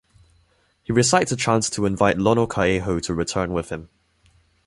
He recites a chant to invite Lonokaeho to return with him.